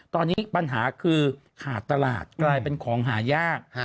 ตอนนี้ปัญหาคือขาดตลาดกลายเป็นของหายาก